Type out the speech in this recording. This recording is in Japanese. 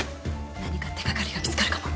何か手掛かりが見つかるかも。